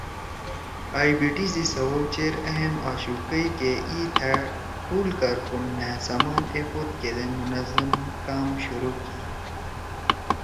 ائی بی ٹی سی سوؤ چیر اہم آشُو کئیکہ ای تھأ ٹول کارکن مھأ سمان ایپود کیدے منظم کام شروع کی۔